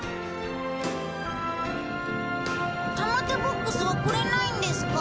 玉手ボックスはくれないんですか？